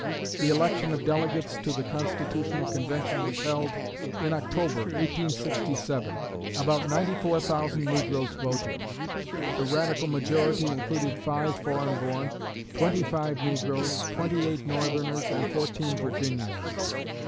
The election of delegates to the constitutional convention was held in October, 1867. About 94,000 negroes voted. The radical majority included five foreign born, twenty five negroes, twenty eight Northerners, and fourteen Virginians.